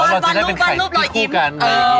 อ๋อเราจะคือมีไข่ที่คู่กัน